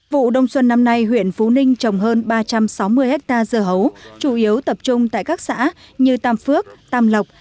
vụ đông xuân năm nay huyện phú ninh trồng hơn ba trăm sáu mươi hectare dưa hấu chủ yếu tập trung tại các xã như tam phước tam lộc